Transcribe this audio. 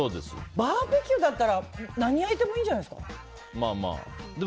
バーベキューだったら何焼いてもいいんじゃないですか？